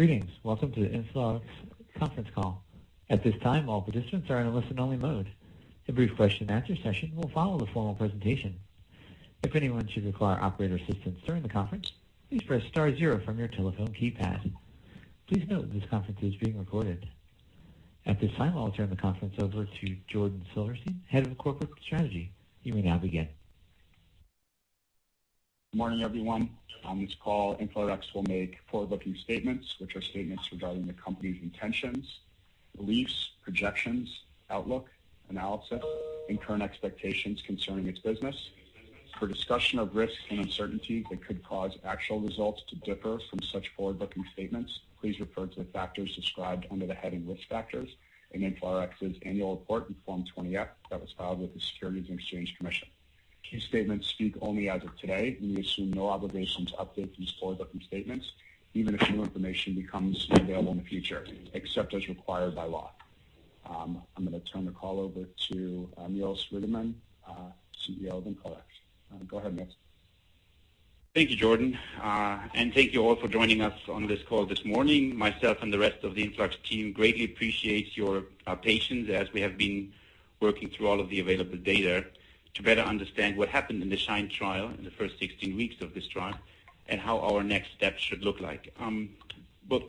maGreetings. Welcome to the InflaRx conference call. At this time, all participants are in a listen-only mode. A brief question-and-answer session will follow the formal presentation. If anyone should require operator assistance during the conference, please press star zero from your telephone keypad. Please note this conference is being recorded. At this time, I'll turn the conference over to Jordan Silverstein, Head of Corporate Strategy. You may now begin. Morning, everyone. On this call, InflaRx will make forward-looking statements, which are statements regarding the company's intentions, beliefs, projections, outlook, analysis, and current expectations concerning its business. For a discussion of risks and uncertainties that could cause actual results to differ from such forward-looking statements, please refer to the factors described under the heading Risk Factors in InflaRx's annual report on Form 20-F that was filed with the Securities and Exchange Commission. These statements speak only as of today. We assume no obligation to update these forward-looking statements, even if new information becomes available in the future, except as required by law. I'm going to turn the call over to Niels Riedemann, CEO of InflaRx. Go ahead, Niels. Thank you, Jordan. Thank you all for joining us on this call this morning. Myself and the rest of the InflaRx team greatly appreciate your patience as we have been working through all of the available data to better understand what happened in the SHINE trial in the first 16 weeks of this trial and what our next steps should look like.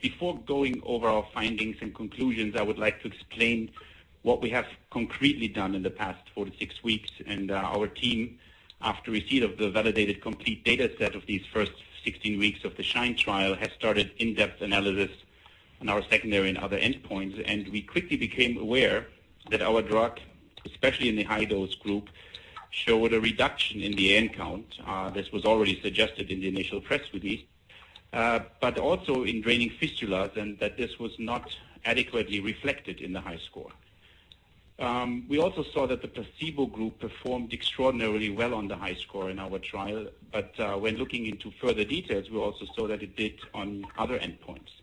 Before going over our findings and conclusions, I would like to explain what we have concretely done in the past four to six weeks. Our team, after receipt of the validated complete data set of these first 16 weeks of the SHINE trial, has started in-depth analysis on our secondary and other endpoints. We quickly became aware that our drug, especially in the high-dose group, showed a reduction in the AN count. This was already suggested in the initial press release. Also in draining fistulas, and that this was not adequately reflected in the HiSCR. We also saw that the placebo group performed extraordinarily well on the HiSCR in our trial. When looking into further details, we also saw that it did on other endpoints.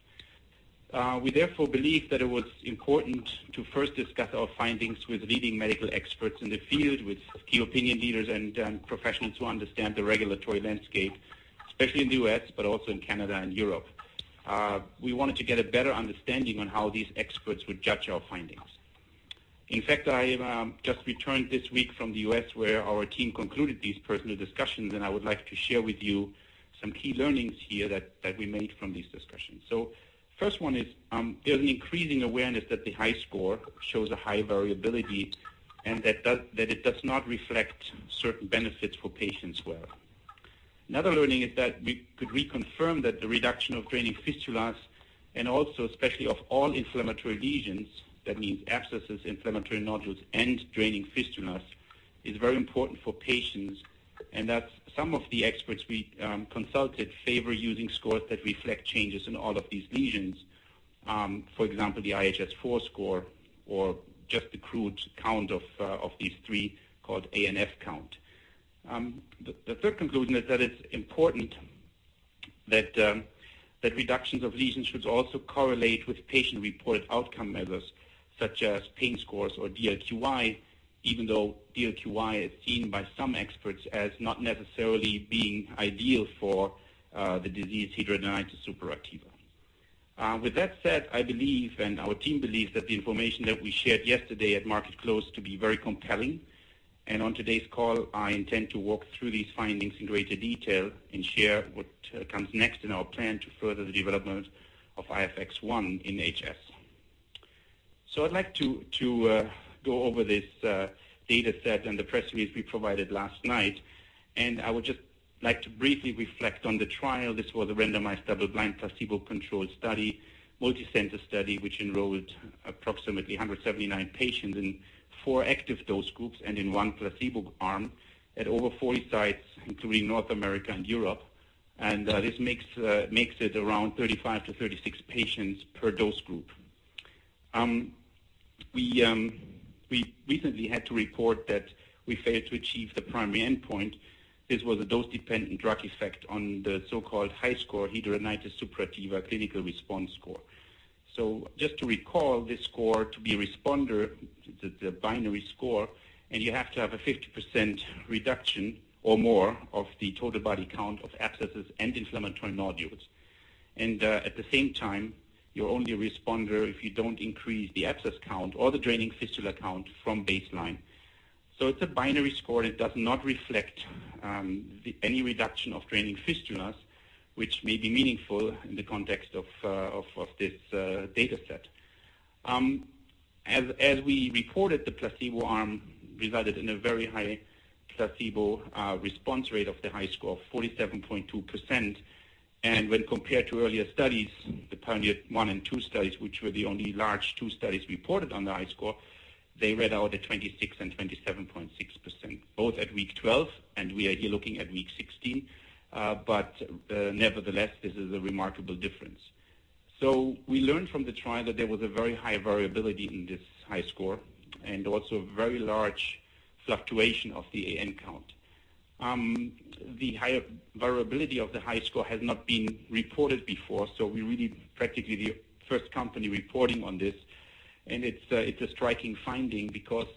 We therefore believed that it was important to first discuss our findings with leading medical experts in the field, with key opinion leaders and professionals who understand the regulatory landscape, especially in the U.S., but also in Canada and Europe. We wanted to get a better understanding on how these experts would judge our findings. In fact, I just returned this week from the U.S., where our team concluded these personal discussions, and I would like to share with you some key learnings here that we made from these discussions. The first one is there's an increasing awareness that the HiSCR shows a high variability and that it does not reflect certain benefits for patients well. Another learning is that we could reconfirm that the reduction of draining fistulas and also especially of all inflammatory lesions, that means abscesses, inflammatory nodules, and draining fistulas, is very important for patients, and that some of the experts we consulted favor using scores that reflect changes in all of these lesions, for example, the IHS4 score or just the crude count of these three called ANF count. The third conclusion is that it's important that reductions of lesions should also correlate with patient-reported outcome measures such as pain scores or DLQI, even though DLQI is seen by some experts as not necessarily being ideal for the disease hidradenitis suppurativa. With that said, I believe, and our team believes, that the information that we shared yesterday at market close to be very compelling. On today's call, I intend to walk through these findings in greater detail and share what comes next in our plan to further the development of IFX-1 in HS. I'd like to go over this data set and the press release we provided last night, and I would just like to briefly reflect on the trial. This was a randomized, double-blind, placebo-controlled study, a multicenter study which enrolled approximately 179 patients in four active dose groups and in one placebo arm at over 40 sites, including North America and Europe. This makes it around 35 to 36 patients per dose group. We recently had to report that we failed to achieve the primary endpoint. This was a dose-dependent drug effect on the so-called HiSCR hidradenitis suppurativa clinical response score. Just to recall this score, to be a responder, the binary score, you have to have a 50% reduction or more of the total body count of abscesses and inflammatory nodules. At the same time, you're only a responder if you don't increase the abscess count or the draining fistula count from baseline. It's a binary score. It does not reflect any reduction of draining fistulas, which may be meaningful in the context of this data set. As we reported, the placebo arm resulted in a very high placebo response rate of the HiSCR, 47.2%. When compared to earlier studies, the PIONEER I and II studies, which were the only large two studies reported on the HiSCR, they read out at 26% and 27.6%, both at week 12, and we are here looking at week 16. Nevertheless, this is a remarkable difference. We learned from the trial that there was a very high variability in this HiSCR and also a very large fluctuation of the AN count. The high variability of the HiSCR has not been reported before, so we're really practically the first company reporting on this. It's a striking finding because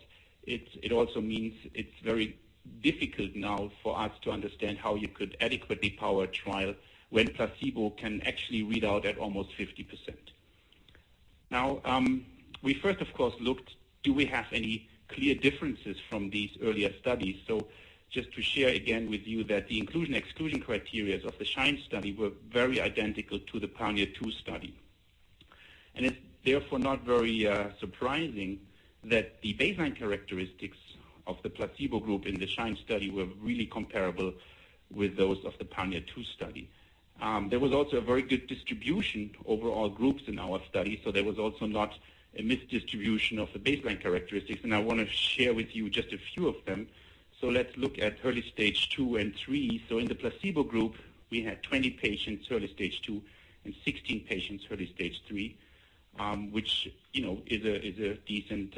it also means it's very difficult now for us to understand how you could adequately power a trial when placebo can actually read out at almost 50%. We first, of course, looked, do we have any clear differences from these earlier studies? Just to share again with you that the inclusion/exclusion criteria of the SHINE study were very identical to the PIONEER II study. It's therefore not very surprising that the baseline characteristics of the placebo group in the SHINE study were really comparable with those of the PIONEER II study. There was also a very good distribution over all groups in our study, not a misdistribution of the baseline characteristics, and I want to share with you just a few of them. Let's look at early Stage II and III. In the placebo group, we had 20 patients early Stage II, and 16 patients early Stage III, which is a decent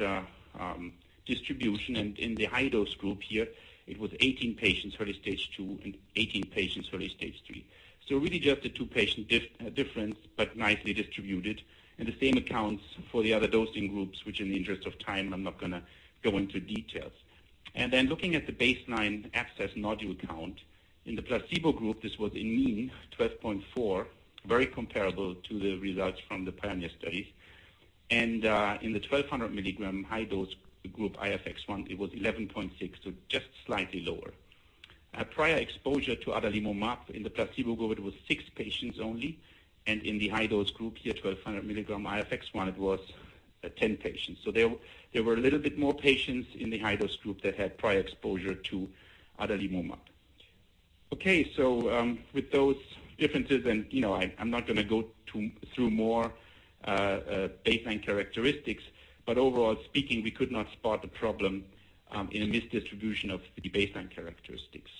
distribution. In the high-dose group here, it was 18 patients early Stage II and 18 patients early Stage III. Really just a two-patient difference, but nicely distributed. The same accounts for the other dosing groups, which in the interest of time, I'm not going to go into details. Looking at the baseline abscess nodule count. In the placebo group, this was a mean 12.4, very comparable to the results from the PIONEER study. In the 1,200 mg high-dose group IFX-1, it was 11.6, just slightly lower. Prior exposure to adalimumab in the placebo group, it was six patients only. In the high-dose group here, 1,200 mg IFX-1, it was 10 patients. There were a little bit more patients in the high-dose group that had prior exposure to adalimumab. Okay. With those differences, I'm not going to go through more baseline characteristics, but overall speaking, we could not spot a problem in a misdistribution of the baseline characteristics.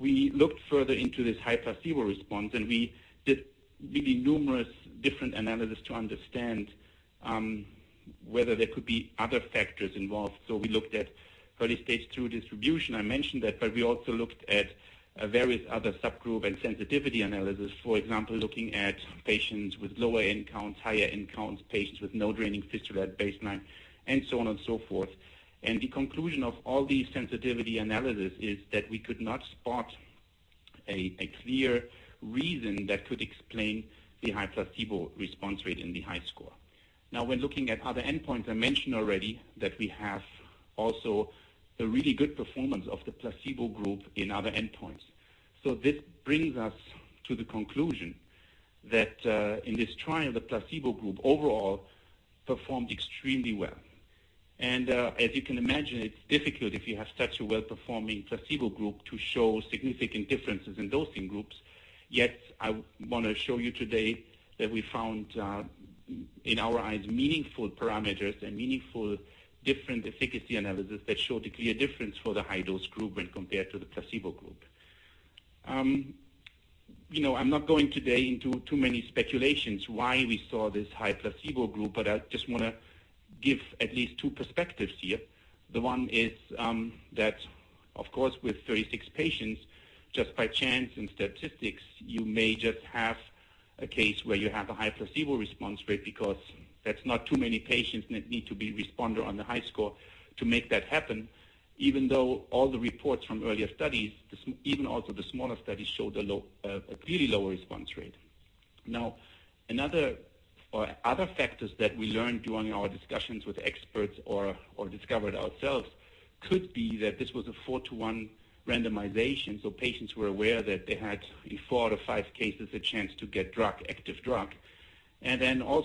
We looked further into this high placebo response, and we did really numerous different analysis to understand whether there could be other factors involved. We looked at early Stage II distribution, I mentioned that, but we also looked at various other subgroup and sensitivity analysis. For example, looking at patients with lower AN counts, higher AN counts, patients with no draining fistula at baseline, and so on and so forth. The conclusion of all these sensitivity analysis is that we could not spot a clear reason that could explain the high placebo response rate in the HiSCR. Now when looking at other endpoints, I mentioned already that we have also a really good performance of the placebo group in other endpoints. This brings us to the conclusion that in this trial, the placebo group overall performed extremely well. As you can imagine, it's difficult if you have such a well-performing placebo group to show significant differences in dosing groups. Yet, I want to show you today that we found, in our eyes, meaningful parameters and meaningful different efficacy analysis that showed a clear difference for the high-dose group when compared to the placebo group. I'm not going today into too many speculations why we saw this high placebo group, I just want to give at least two perspectives here. The one is that, of course, with 36 patients, just by chance and statistics, you may just have a case where you have a high placebo response rate because that's not too many patients that need to be responder on the HiSCR to make that happen, even though all the reports from earlier studies, even also the smaller studies, showed a really low response rate. Other factors that we learned during our discussions with experts or discovered ourselves could be that this was a 4:1 randomization, so patients were aware that they had in four out of five cases a chance to get active drug. There were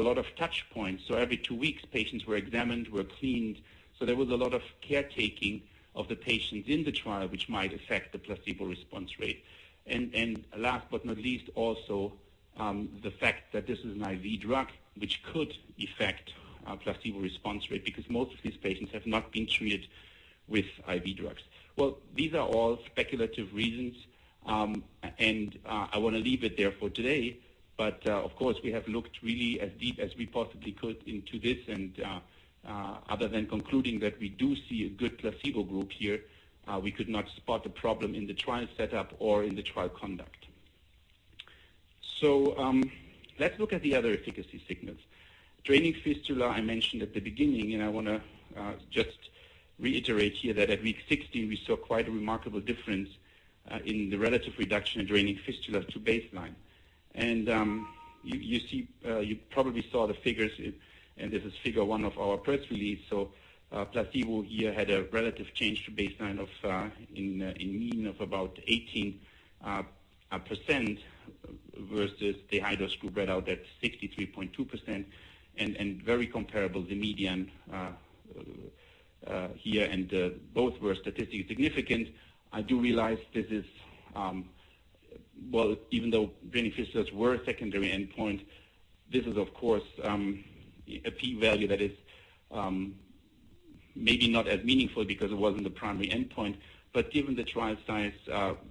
a lot of touch points, so every two weeks, patients were examined, were cleaned. There was a lot of caretaking of the patients in the trial, which might affect the placebo response rate. The fact that this is an IV drug, which could affect our placebo response rate because most of these patients have not been treated with IV drugs. These are all speculative reasons, and I want to leave it there for today. Of course, we have looked really as deep as we possibly could into this other than concluding that we do see a good placebo group here, we could not spot a problem in the trial setup or in the trial conduct. Let's look at the other efficacy signals. Draining fistula I mentioned at the beginning. I want to just reiterate here that at week 16 we saw quite a remarkable difference in the relative reduction in draining fistula to baseline. You probably saw the figures, and this is figure one of our press release. Placebo here had a relative change to baseline of a mean of about 18% versus the high-dose group read out at 63.2%, and very comparable the median here, and both were statistically significant. I do realize even though draining fistulas were a secondary endpoint, this is, of course, a P value that is maybe not as meaningful because it wasn't the primary endpoint. Given the trial size,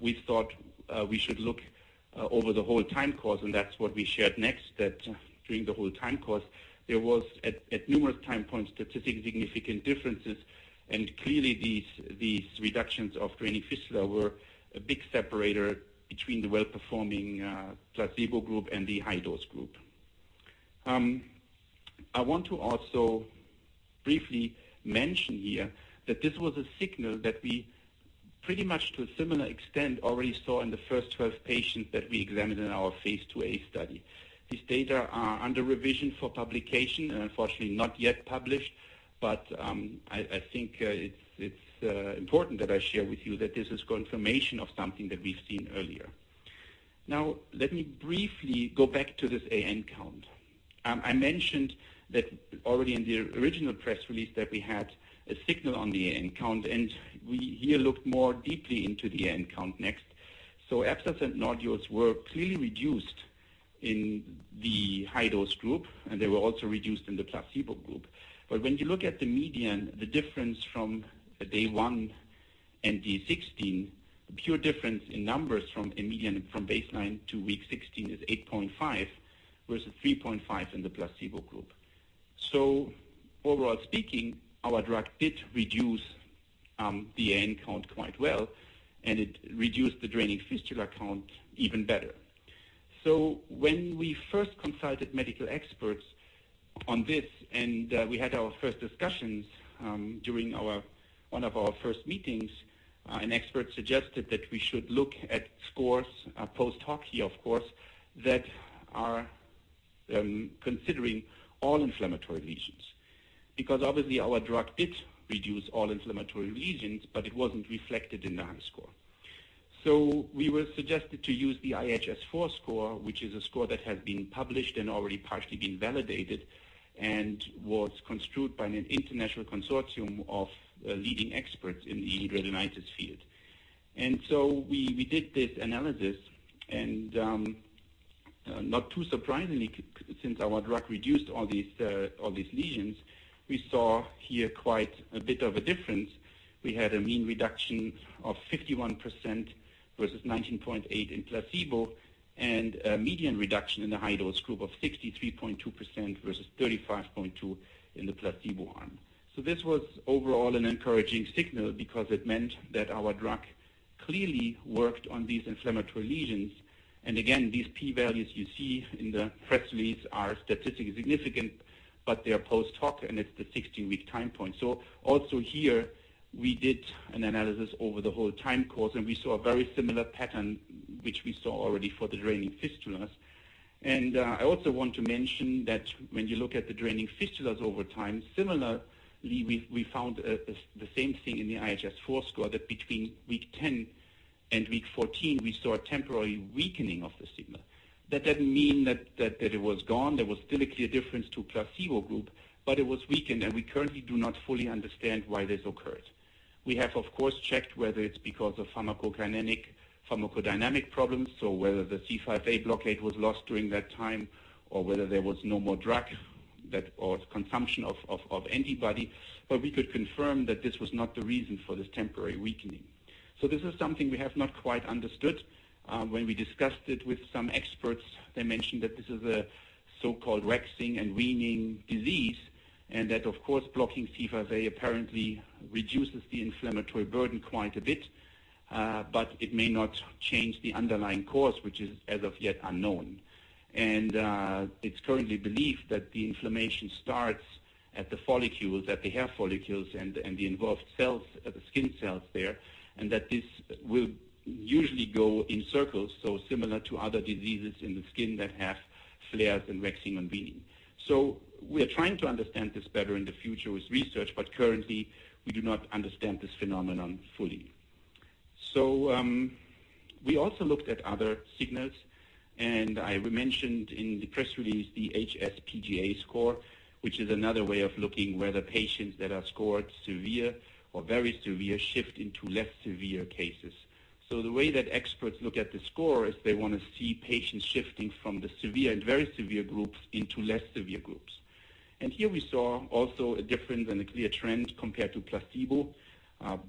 we thought we should look over the whole time course, and that's what we shared next, that during the whole time course, there was at numerous time points, statistically significant differences. Clearly these reductions of draining fistula were a big separator between the well-performing placebo group and the high-dose group. I want to also briefly mention here that this was a signal that we pretty much, to a similar extent, already saw in the first 12 patients that we examined in our phase II-A study. These data are under revision for publication and unfortunately not yet published. I think it's important that I share with you that this is confirmation of something that we've seen earlier. Let me briefly go back to this AN count. I mentioned that already in the original press release that we had a signal on the AN count. We here looked more deeply into the AN count next. Abscess and nodules were clearly reduced in the high-dose group, and they were also reduced in the placebo group. When you look at the median, the difference from day one and day 16, the pure difference in numbers from a median from baseline to week 16 is 8.5 versus 3.5 in the placebo group. Overall speaking, our drug did reduce the AN count quite well, and it reduced the draining fistula count even better. When we first consulted medical experts on this, we had our first discussions during one of our first meetings, an expert suggested that we should look at scores post hoc here, of course, that are considering all inflammatory lesions. Obviously our drug did reduce all inflammatory lesions, but it wasn't reflected in the high score. We were suggested to use the IHS4 score, which is a score that has been published and already partially been validated and was construed by an international consortium of leading experts in the hidradenitis field. We did this analysis, and not too surprisingly, since our drug reduced all these lesions, we saw here quite a bit of a difference. We had a mean reduction of 51% versus 19.8% in placebo and a median reduction in the high-dose group of 63.2% versus 35.2% in the placebo arm. This was overall an encouraging signal because it meant that our drug clearly worked on these inflammatory lesions. Again, these P values you see in the press release are statistically significant, but they are post hoc, and it's the 16-week time point. Also here we did an analysis over the whole time course, we saw a very similar pattern which we saw already for the draining fistulas. I also want to mention that when you look at the draining fistulas over time, similarly, we found the same thing in the IHS4 score that between week 10 and week 14, we saw a temporary weakening of the signal. That doesn't mean that it was gone. There was still a clear difference to placebo group, but it was weakened, and we currently do not fully understand why this occurred. We have, of course, checked whether it's because of pharmacokinetic, pharmacodynamic problems, so whether the C5a blockade was lost during that time or whether there was no more drug or consumption of antibody. We could confirm that this was not the reason for this temporary weakening. This is something we have not quite understood. When we discussed it with some experts, they mentioned that this is a so-called waxing and waning disease, that, of course, blocking C5a apparently reduces the inflammatory burden quite a bit. It may not change the underlying course, which is as of yet unknown. It's currently believed that the inflammation starts at the follicles, at the hair follicles, and the involved cells, at the skin cells there, that this will usually go in circles, so similar to other diseases in the skin that have flares and waxing and waning. We are trying to understand this better in the future with research, currently, we do not understand this phenomenon fully. We also looked at other signals, I mentioned in the press release the HS-PGA score, which is another way of looking where the patients that are scored severe or very severe shift into less severe cases. The way that experts look at the score is they want to see patients shifting from the severe and very severe groups into less severe groups. Here we saw also a difference and a clear trend compared to placebo.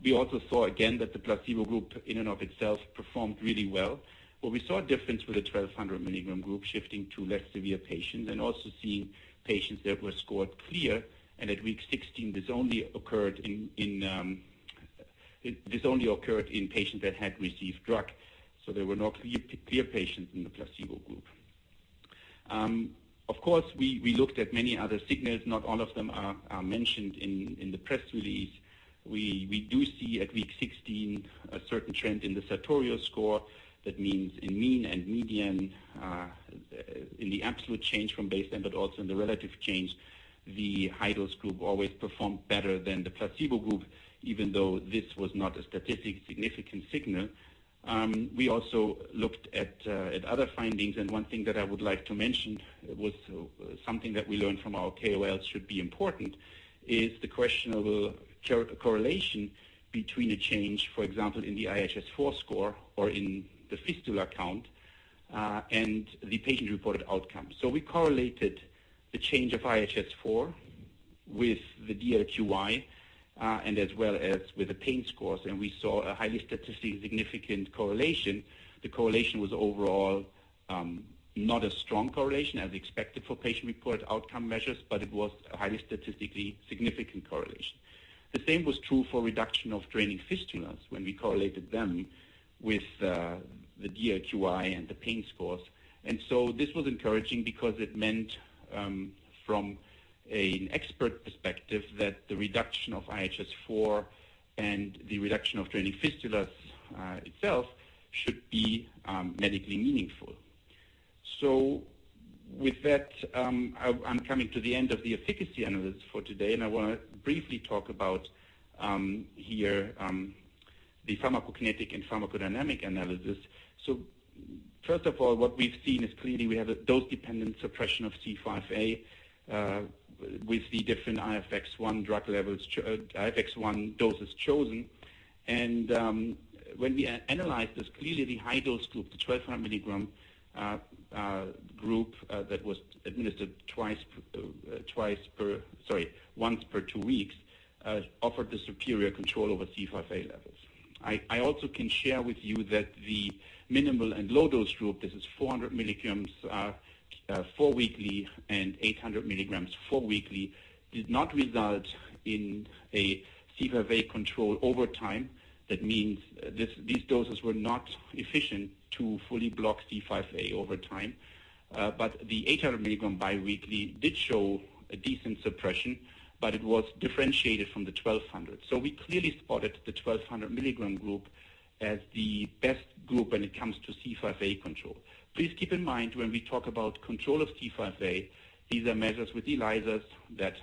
We also saw again that the placebo group in and of itself performed really well. We saw a difference with the 1,200 milligram group shifting to less severe patients and also seeing patients that were scored clear, and at week 16, this only occurred in patients that had received drug. There were no clear patients in the placebo group. Of course, we looked at many other signals. Not all of them are mentioned in the press release. We do see at week 16 a certain trend in the Sartorius score. That means in mean and median, in the absolute change from baseline but also in the relative change, the high-dose group always performed better than the placebo group, even though this was not a statistically significant signal. We also looked at other findings, and one thing that I would like to mention was something that we learned from our KOLs should be important, is the question of a correlation between a change, for example, in the IHS4 score or in the fistula count, and the patient-reported outcomes. We correlated the change of IHS4 with the DLQI and as well as with the pain scores, and we saw a highly statistically significant correlation. The correlation was overall not as strong correlation as expected for patient-reported outcome measures, but it was a highly statistically significant correlation. The same was true for reduction of draining fistulas when we correlated them with the DLQI and the pain scores. This was encouraging because it meant from an expert perspective that the reduction of IHS4 and the reduction of draining fistulas itself should be medically meaningful. So with that, I'm coming to the end of the efficacy analysis for today, and I want to briefly talk about, here, the pharmacokinetic and pharmacodynamic analysis. First of all, what we've seen is clearly we have a dose-dependent suppression of C5a, with the different IFX-1 drug levels, IFX-1 doses chosen. When we analyzed this, clearly the high-dose group, the 1,200 milligram group that was administered once per two weeks, offered the superior control over C5a levels. I also can share with you that the minimal and low-dose group, this is 400 milligrams, four-weekly, and 800 milligrams four-weekly, did not result in a C5a control over time. That means these doses were not efficient to fully block C5a over time. The 800 milligram bi-weekly did show a decent suppression, but it was differentiated from the 1,200. We clearly spotted the 1,200 milligram group as the best group when it comes to C5a control. Please keep in mind, when we talk about control of C5a, these are measures with ELISAs that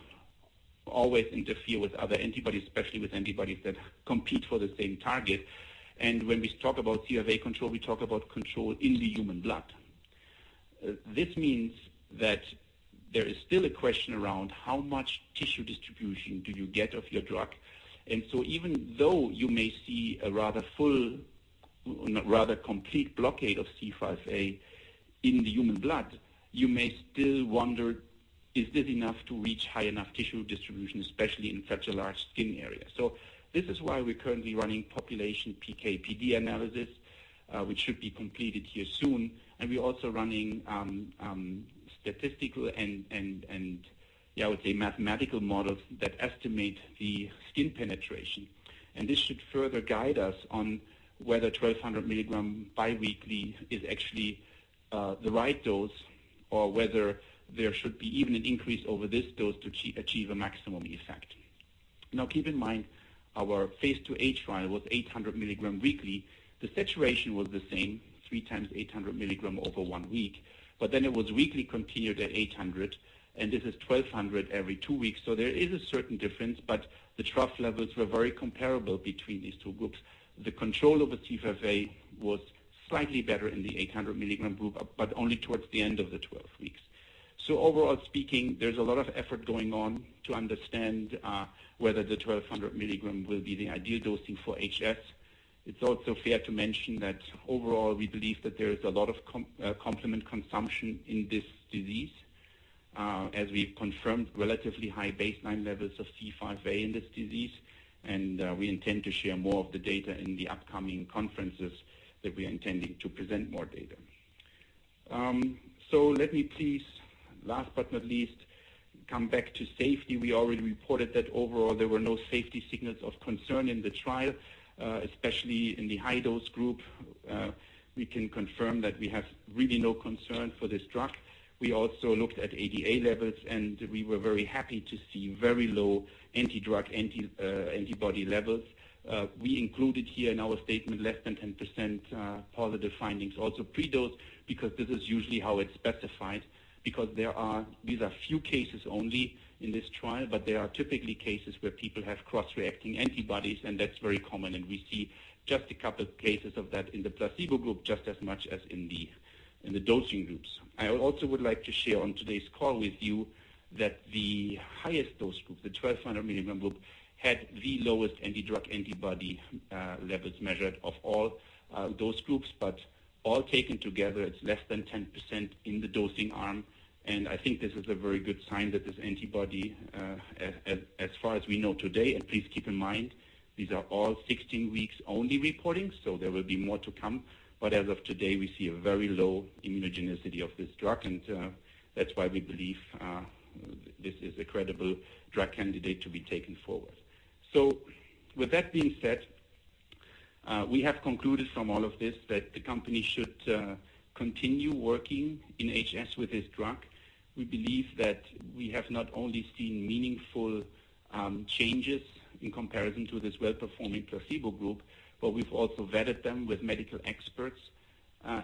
always interfere with other antibodies, especially with antibodies that compete for the same target. When we talk about C5a control, we talk about control in the human blood. This means that there is still a question around how much tissue distribution do you get of your drug. Even though you may see a rather complete blockade of C5a in the human blood, you may still wonder, is this enough to reach high enough tissue distribution, especially in such a large skin area. This is why we're currently running population PK/PD analysis, which should be completed here soon. We're also running statistical and I would say mathematical models that estimate the skin penetration. This should further guide us on whether 1,200 milligram bi-weekly is actually the right dose or whether there should be even an increase over this dose to achieve a maximum effect. Keep in mind, our phase II-H trial was 800 mg weekly. The saturation was the same, 3x 800 mg over one week, but then it was weekly continued at 800, and this is 1,200 every two weeks. There is a certain difference, but the trough levels were very comparable between these two groups. The control over C5a was slightly better in the 800-milligram group, but only towards the end of the 12 weeks. Overall speaking, there's a lot of effort going on to understand whether the 1,200 milligram will be the ideal dosing for HS. It's also fair to mention that overall, we believe that there is a lot of complement consumption in this disease, as we've confirmed relatively high baseline levels of C5a in this disease. We intend to share more of the data in the upcoming conferences that we are intending to present more data. Let me please, last but not least, come back to safety. We already reported that overall, there were no safety signals of concern in the trial, especially in the high-dose group. We can confirm that we have really no concern for this drug. We also looked at ADA levels, and we were very happy to see very low anti-drug antibody levels. We included here in our statement less than 10% positive findings, also pre-dose, because this is usually how it's specified because these are few cases only in this trial, but they are typically cases where people have cross-reacting antibodies, and that's very common, and we see just a couple cases of that in the placebo group just as much as in the dosing groups. I also would like to share on today's call with you that the highest dose group, the 1,200 milligram group, had the lowest anti-drug antibody levels measured of all dose groups, but all taken together, it's less than 10% in the dosing arm. I think this is a very good sign that this antibody, as far as we know today, and please keep in mind, these are all 16 weeks only reporting, there will be more to come, but as of today, we see a very low immunogenicity of this drug. That's why we believe this is a credible drug candidate to be taken forward. With that being said, we have concluded from all of this that the company should continue working in HS with this drug. We believe that we have not only seen meaningful changes in comparison to this well-performing placebo group, but we've also vetted them with medical experts.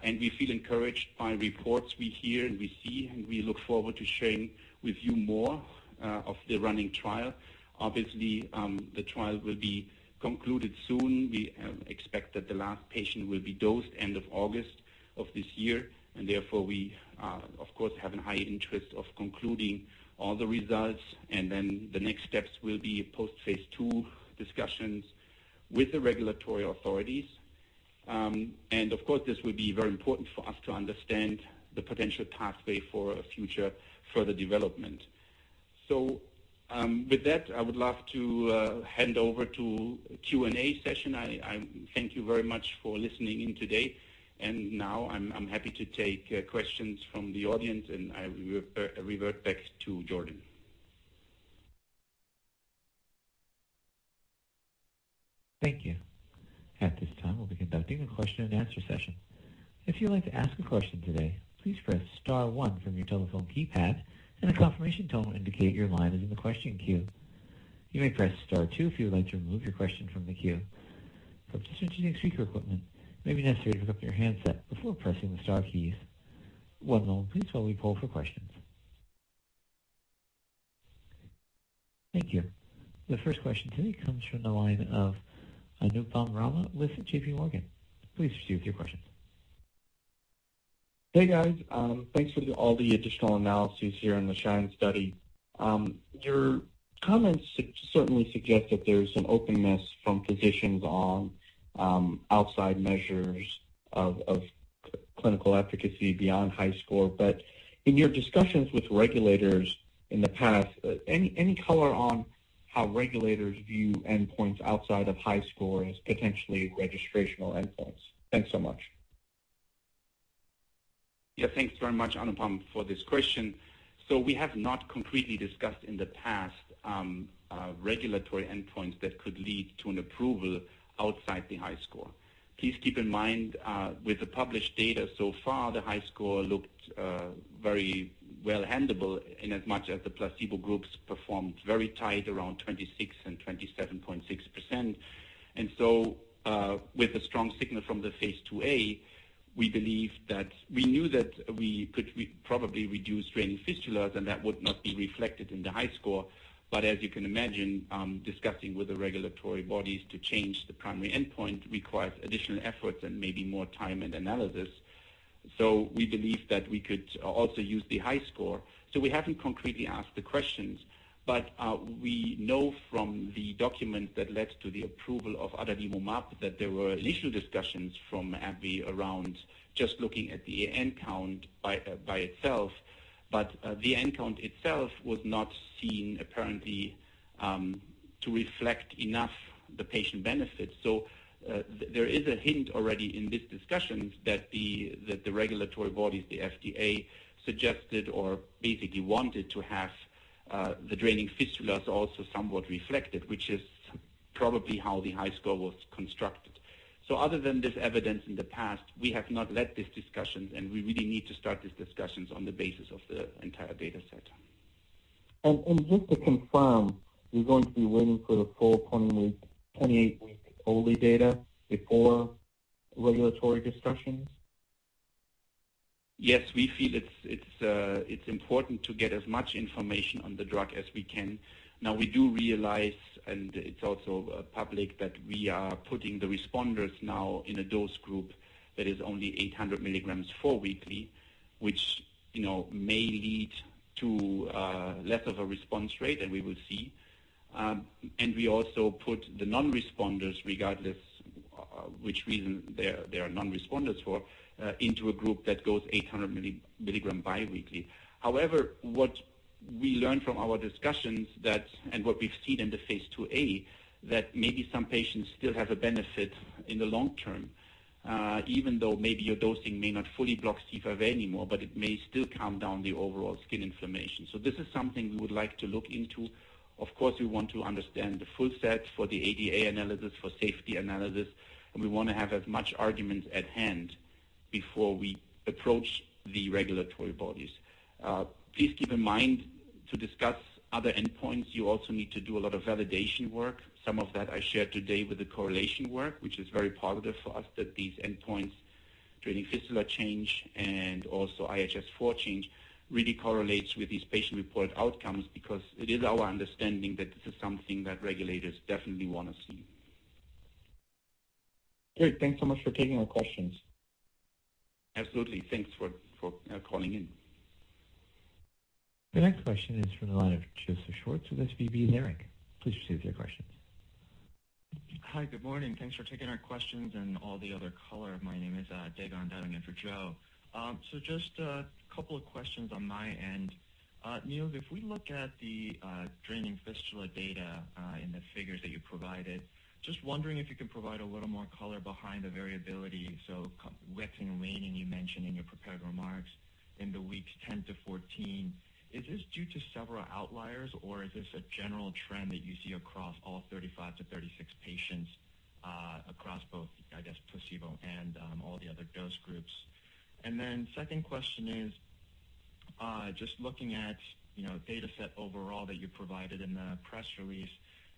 We feel encouraged by reports we hear and we see, and we look forward to sharing with you more of the running trial. Obviously, the trial will be concluded soon. We expect that the last patient will be dosed end of August of this year. Therefore, we are, of course, have a high interest of concluding all the results. Then the next steps will be post phase II discussions with the regulatory authorities. Of course, this will be very important for us to understand the potential pathway for future further development. With that, I would love to hand over to Q&A session. I thank you very much for listening in today. Now I'm happy to take questions from the audience, and I will revert back to Jordan. Thank you. At this time, we'll be conducting a question-and-answer session. If you'd like to ask a question today, please press star one from your telephone keypad, and a confirmation tone will indicate your line is in the question queue. You may press star two if you would like to remove your question from the queue. For participants using speaker equipment, it may be necessary to hook up your handset before pressing the star keys. One moment, please, while we poll for questions. Thank you. The first question today comes from the line of Anupam Rama with JPMorgan. Please proceed with your question. Hey, guys. Thanks for all the additional analyses here on the SHINE study. Your comments certainly suggest that there's an openness from physicians on outside measures of clinical efficacy beyond HiSCR. In your discussions with regulators in the past, any color on how regulators view endpoints outside of HiSCR as potentially registrational endpoints? Thanks so much. Yeah, thanks very much, Anupam, for this question. We have not completely discussed in the past regulatory endpoints that could lead to an approval outside the HiSCR. Please keep in mind, with the published data so far, the HiSCR looked very well handleable inasmuch as the placebo groups performed very tight around 26% and 27.6%. With a strong signal from the phase II-A, we knew that we could probably reduce draining fistulas and that would not be reflected in the HiSCR. As you can imagine, discussing with the regulatory bodies to change the primary endpoint requires additional efforts and maybe more time and analysis. We believe that we could also use the HiSCR. We haven't concretely asked the questions, we know from the document that led to the approval of adalimumab that there were initial discussions from AbbVie around just looking at the AN count by itself. The AN count itself was not seen, apparently, to reflect enough the patient benefits. There is a hint already in these discussions that the regulatory bodies, the FDA, suggested or basically wanted to have the draining fistulas also somewhat reflected, which is probably how the HiSCR was constructed. Other than this evidence in the past, we have not led these discussions, and we really need to start these discussions on the basis of the entire data set. Just to confirm, we're going to be waiting for the full 28-week OLE data before regulatory discussions? Yes, we feel it's important to get as much information on the drug as we can. Now, we do realize, and it's also public, that we are putting the responders now in a dose group that is only 800 milligrams four weekly, which may lead to less of a response rate, and we will see. We also put the non-responders, regardless which reason they are non-responders for, into a group that goes 800 milligram biweekly. However, what we learned from our discussions and what we've seen in the phase II-A, that maybe some patients still have a benefit in the long term, even though maybe your dosing may not fully block C5a anymore, but it may still calm down the overall skin inflammation. This is something we would like to look into. Of course, we want to understand the full set for the ADA analysis, for safety analysis, and we want to have as much arguments at hand before we approach the regulatory bodies. Please keep in mind to discuss other endpoints, you also need to do a lot of validation work. Some of that I shared today with the correlation work, which is very positive for us that these endpoints, draining fistula change and also IHS4 change, really correlates with these patient-reported outcomes because it is our understanding that this is something that regulators definitely want to see. Great. Thanks so much for taking our questions. Absolutely. Thanks for calling in. The next question is from the line of Joseph Schwartz with SVB Leerink. Please proceed with your questions. Hi. Good morning. Thanks for taking our questions and all the other color. My name is Dae Gon diving in for Joe. Just a couple of questions on my end. Niels, if we look at the draining fistula data in the figures that you provided, just wondering if you could provide a little more color behind the variability. Waxing and waning, you mentioned in your prepared remarks in the weeks 10 to 14. Is this due to several outliers, or is this a general trend that you see across all 35 to 36 patients across both, I guess, placebo and all the other dose groups? Second question is, just looking at data set overall that you provided in the press release,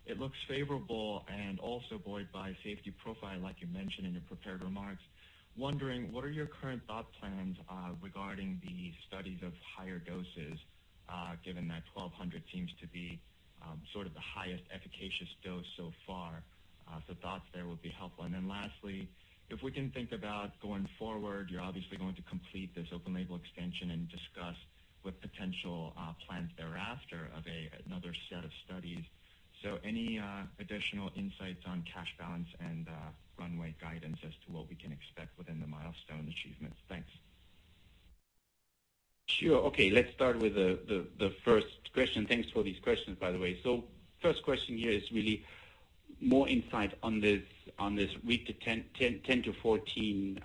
it looks favorable and also buoyed by safety profile like you mentioned in your prepared remarks. Wondering, what are your current thought plans regarding the studies of higher doses, given that 1,200 seems to be sort of the highest efficacious dose so far? Thoughts there would be helpful. Lastly, if we can think about going forward, you're obviously going to complete this open label extension and discuss what potential plans thereafter of another set of studies. Any additional insights on cash balance and runway guidance as to what we can expect within the milestone achievements? Thanks. Sure. Okay, let's start with the first question. Thanks for these questions, by the way. First question here is really more insight on this week 10 to 14.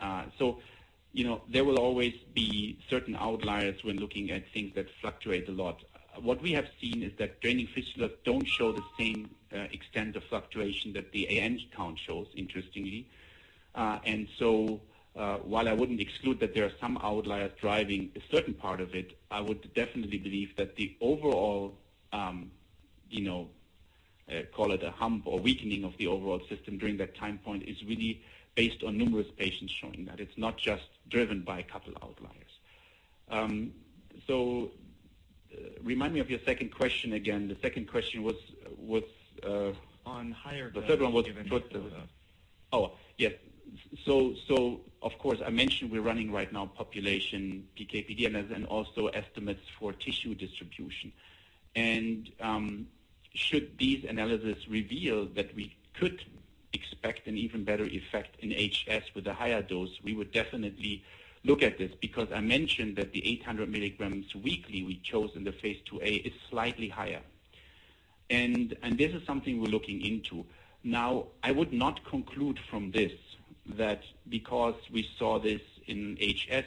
There will always be certain outliers when looking at things that fluctuate a lot. What we have seen is that draining fistulas don't show the same extent of fluctuation that the AN count shows, interestingly. While I wouldn't exclude that there are some outliers driving a certain part of it, I would definitely believe that the overall, call it a hump or weakening of the overall system during that time point, is really based on numerous patients showing that it's not just driven by a couple outliers. Remind me of your second question again. The second question was- On higher dose- The third one was- Given Oh, yes. Of course, I mentioned we're running right now population PK/PD analysis and also estimates for tissue distribution. Should these analysis reveal that we could expect an even better effect in HS with a higher dose, we would definitely look at this, because I mentioned that the 800 mg weekly we chose in the phase II-A is slightly higher. This is something we're looking into. I would not conclude from this that because we saw this in HS,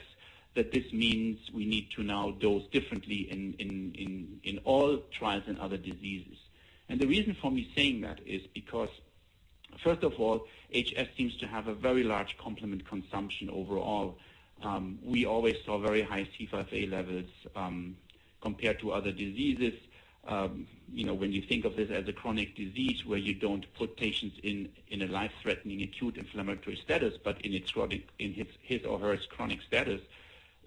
that this means we need to now dose differently in all trials in other diseases. The reason for me saying that is because, first of all, HS seems to have a very large complement consumption overall. We always saw very high C5a levels, compared to other diseases. When you think of this as a chronic disease where you don't put patients in a life-threatening acute inflammatory status, but in his or her chronic status,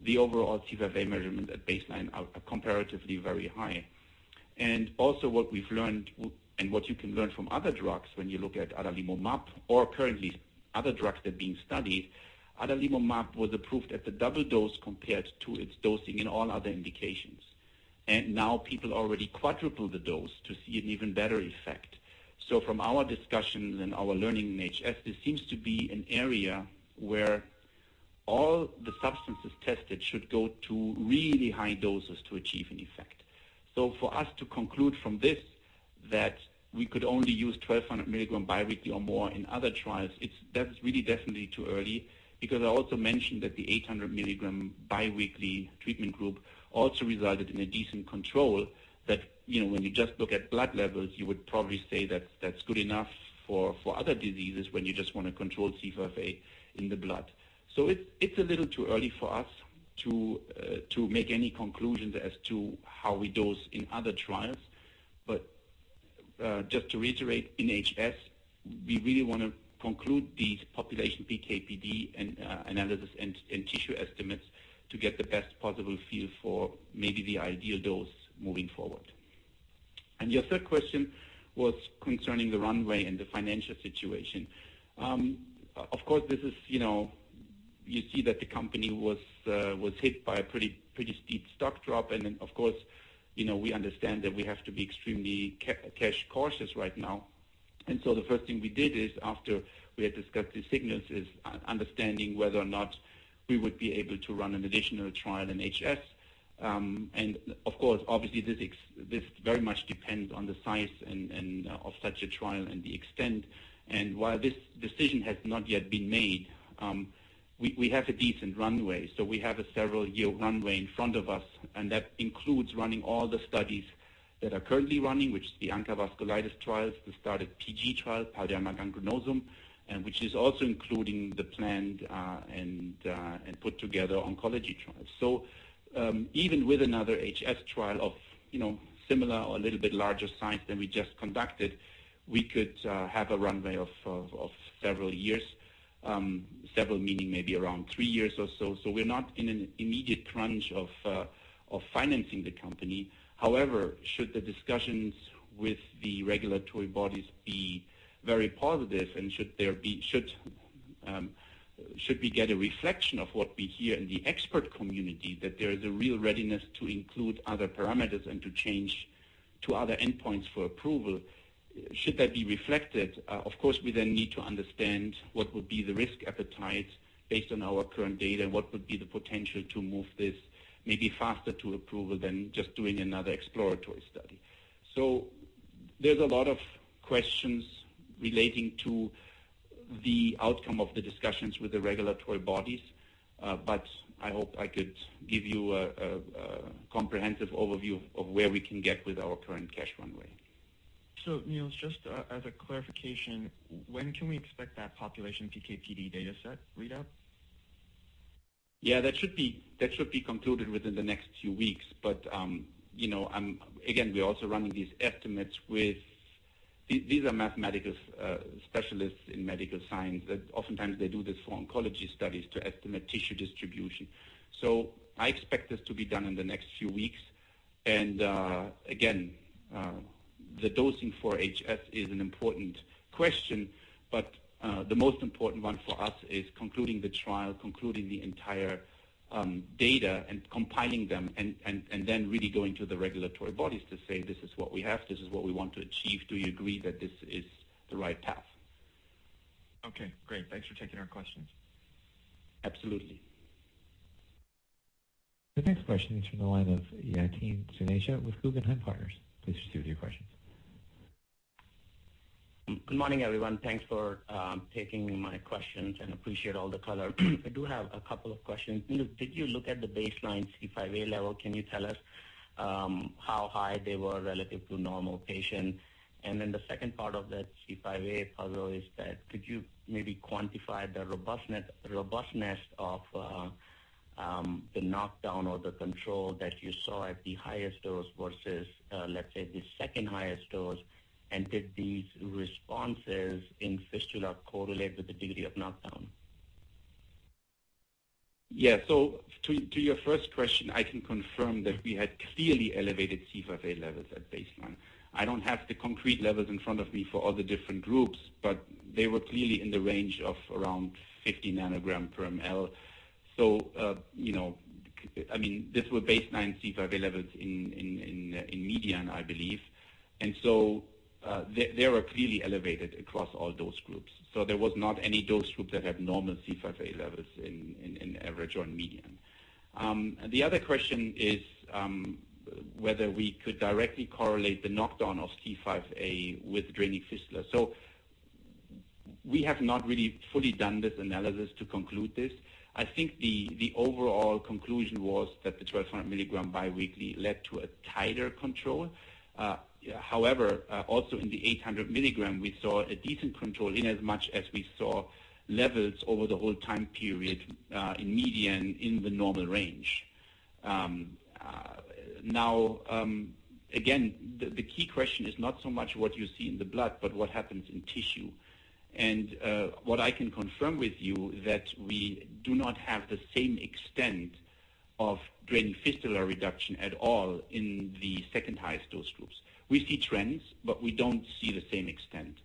the overall C5a measurement at baseline are comparatively very high. Also what we've learned, and what you can learn from other drugs, when you look at adalimumab or currently other drugs that are being studied, adalimumab was approved at the double dose compared to its dosing in all other indications. Now people already quadruple the dose to see an even better effect. From our discussions and our learning in HS, this seems to be an area where all the substances tested should go to really high doses to achieve an effect. For us to conclude from this that we could only use 1,200 mg biweekly or more in other trials, that's really definitely too early. I also mentioned that the 800 mg biweekly treatment group also resulted in a decent control that, when you just look at blood levels, you would probably say that that's good enough for other diseases when you just want to control C5a in the blood. It's a little too early for us to make any conclusions as to how we dose in other trials. Just to reiterate, in HS, we really want to conclude these population PK/PD analysis and tissue estimates to get the best possible feel for maybe the ideal dose moving forward. Your third question was concerning the runway and the financial situation. Of course, you see that the company was hit by a pretty steep stock drop. Then, of course, we understand that we have to be extremely cash cautious right now. The first thing we did is, after we had discussed the signals, is understanding whether or not we would be able to run an additional trial in HS. Of course, obviously, this very much depends on the size of such a trial and the extent. While this decision has not yet been made, we have a decent runway. We have a several-year runway in front of us, and that includes running all the studies that are currently running, which is the ANCA vasculitis trials, the started PG trial, Pauci-immune Granulomatosis, which is also including the planned and put together oncology trials. Even with another HS trial of similar or a little bit larger size than we just conducted, we could have a runway of several years. Several meaning maybe around three years or so. We're not in an immediate crunch of financing the company. However, should the discussions with the regulatory bodies be very positive and should we get a reflection of what we hear in the expert community, that there is a real readiness to include other parameters and to change to other endpoints for approval, should that be reflected, of course, we then need to understand what would be the risk appetite based on our current data, and what would be the potential to move this maybe faster to approval than just doing another exploratory study. There's a lot of questions relating to the outcome of the discussions with the regulatory bodies. I hope I could give you a comprehensive overview of where we can get with our current cash runway. Niels, just as a clarification, when can we expect that population PK/PD data set readout? That should be concluded within the next few weeks. Again, we're also running these estimates with mathematical specialists in medical science that oftentimes they do this for oncology studies to estimate tissue distribution. I expect this to be done in the few weeks. Again, the dosing for HS is an important question, the most important one for us is concluding the trial, concluding the entire data, and compiling them, and then really going to the regulatory bodies to say, "This is what we have. This is what we want to achieve. Do you agree that this is the right path? Great. Thanks for taking our questions. Absolutely. The next question is from the line of Yatin Suneja with Guggenheim Partners. Please proceed with your question. Good morning, everyone. Thanks for taking my questions and appreciate all the color. I do have a couple of questions. Did you look at the baseline C5a level? Can you tell us how high they were relative to normal patients? The second part of that C5a puzzle is that could you maybe quantify the robustness of the knockdown or the control that you saw at the highest dose versus, let's say, the second-highest dose? Did these responses in fistula correlate with the degree of knockdown? Yeah. To your first question, I can confirm that we had clearly elevated C5a levels at baseline. I don't have the concrete levels in front of me for all the different groups, but they were clearly in the range of around 50 nanogram per mL. These were baseline C5a levels in median, I believe. They were clearly elevated across all dose groups. There was not any dose group that had normal C5a levels in average or in median. The other question is whether we could directly correlate the knockdown of C5a with draining fistula. We have not really fully done this analysis to conclude this. I think the overall conclusion was that the 1,200 milligram biweekly led to a tighter control. Also in the 800 milligram, we saw a decent control inasmuch as we saw levels over the whole time period, in median, in the normal range. Again, the key question is not so much what you see in the blood, but what happens in tissue. What I can confirm with you is that we do not have the same extent of draining fistula reduction at all in the second-highest dose groups. We see trends, but we don't see the same extent.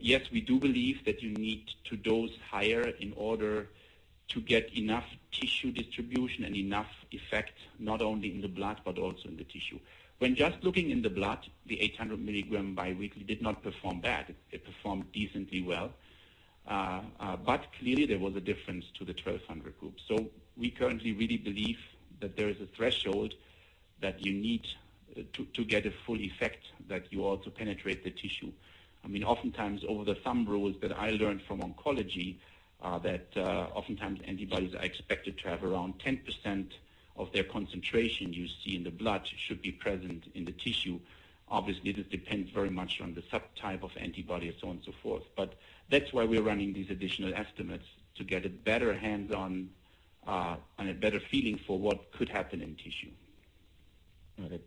Yes, we do believe that you need to dose higher in order to get enough tissue distribution and enough effect, not only in the blood but also in the tissue. When just looking in the blood, the 800 milligram biweekly did not perform bad. It performed decently well. Clearly, there was a difference to the 1,200 group. We currently really believe that there is a threshold that you need to get a full effect, that you ought to penetrate the tissue. Oftentimes, over the thumb rules that I learned from oncology, oftentimes antibodies are expected to have around 10% of their concentration you see in the blood should be present in the tissue. Obviously, this depends very much on the subtype of antibody and so on and so forth. That's why we're running these additional estimates to get a better hands-on and a better feeling for what could happen in tissue. All right.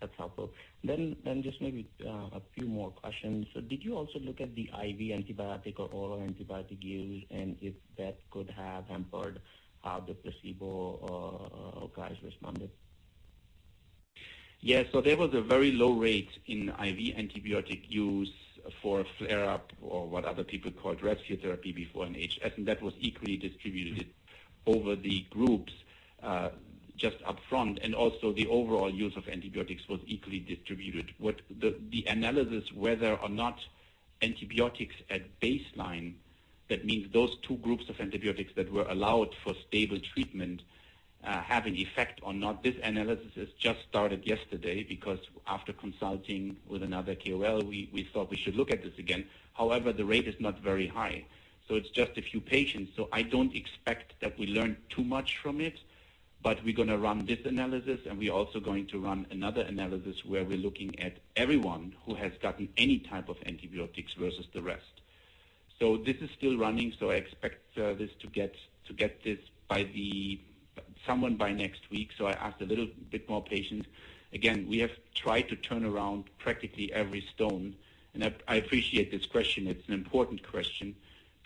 That's helpful. Just maybe a few more questions. Did you also look at the IV antibiotic or oral antibiotic used, and if that could have hampered how the placebo guys responded? Yes. There was a very low rate in IV antibiotic use for flare-up or what other people called rescue therapy before an HS, and that was equally distributed over the groups, just upfront. Also the overall use of antibiotics was equally distributed. The analysis, whether or not antibiotics at baseline, that means those two groups of antibiotics that were allowed for stable treatment, have an effect or not. This analysis has just started yesterday because after consulting with another KOL, we thought we should look at this again. The rate is not very high, it's just a few patients. I don't expect that we learn too much from it, but we're going to run this analysis, and we're also going to run another analysis where we're looking at everyone who has gotten any type of antibiotics versus the rest. This is still running. I expect to get this by someone by next week. I ask a little bit more patience. Again, we have tried to turn around practically every stone, and I appreciate this question. It's an important question